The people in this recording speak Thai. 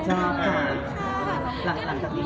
ชอบกัน